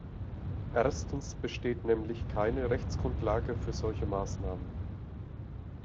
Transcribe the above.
Erstens besteht nämlich keine Rechtsgrundlage für solche Maßnahmen.